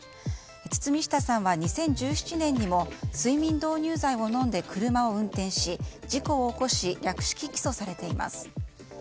堤下さんは２０１７年にも睡眠導入剤を飲んで車を運転し事故を起こし略式起訴されています。